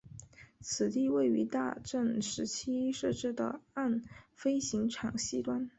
此地位于大正时期设置的岸飞行场西端。